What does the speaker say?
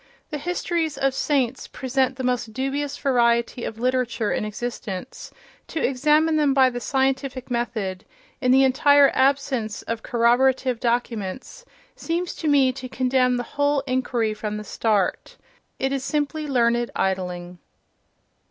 The histories of saints present the most dubious variety of literature in existence; to examine them by the scientific method, in the entire ab sence of corroborative documents, seems to me to condemn the whole inquiry from the start—it is simply learned idling....